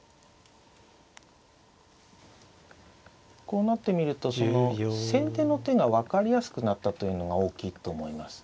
こうなってみると先手の手が分かりやすくなったというのが大きいと思います。